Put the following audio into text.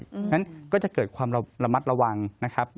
เพราะฉะนั้นก็จะเกิดความระมัดระวังนะครับ